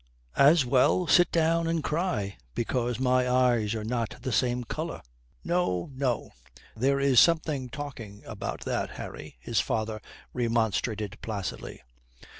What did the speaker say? As well sit down and cry because my eyes are not the same colour." "No. No. There is something taking about that, Harry," his father remonstrated placidly.